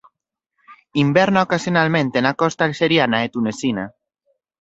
Inverna ocasionalmente na costa alxeriana e tunesina.